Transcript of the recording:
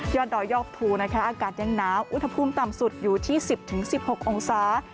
ดอยยอดภูนะคะอากาศยังหนาวอุณหภูมิต่ำสุดอยู่ที่๑๐๑๖องศา